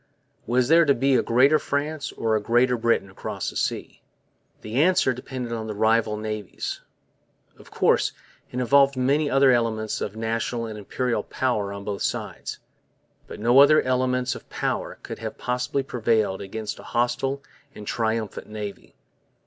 Was there to be a Greater France or a Greater Britain across the seas? The answer depended on the rival navies. Of course, it involved many other elements of national and Imperial power on both sides. But no other elements of power could have possibly prevailed against a hostile and triumphant navy.